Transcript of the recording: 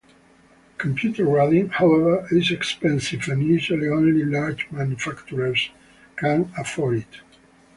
Computer grading, however, is expensive and usually only large manufacturers can afford it.